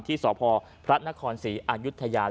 ที่สพนคศอยุทยาล